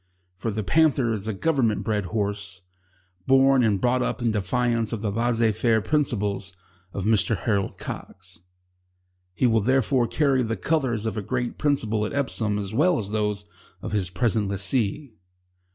For The Panther is a Government bred horse, born and brought up in defiance of the laissez faire principles of Mr Harold Cox. He will therefore carry the colours of a great principle at Epsom as well as those of his present lessee.